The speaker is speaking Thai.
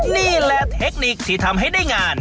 นี่แหละเทคนิคที่ทำให้ได้งาน